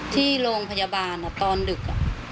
ที่โรงพยาบาลตอนดึก